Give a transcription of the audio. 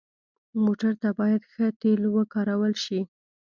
موټر ته باید ښه تیلو وکارول شي.